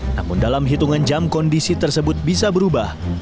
namun dalam hitungan jam kondisi tersebut bisa berubah